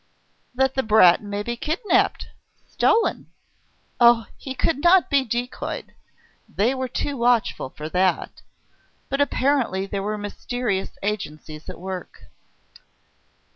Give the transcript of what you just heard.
That the brat may be kidnapped ... stolen. Oh! he could not be decoyed ... they were too watchful for that! But apparently there were mysterious agencies at work....